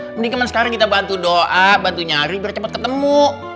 mendingan sekarang kita bantu doa bantu nyari biar cepat ketemu